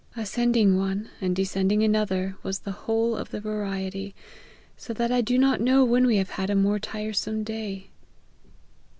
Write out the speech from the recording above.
Ascending one, and descending another, was the whole of the variety, so that I do not know when we have had a more tiresome day."